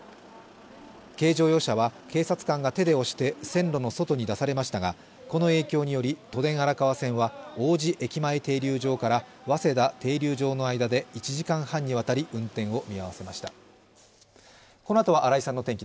軽乗用車は警察官が手で押して線路の外に出されましたがこの影響により都電荒川線は王子駅前停留場から早稲田停留場の間で１時間半にわたり運転を見合わせました。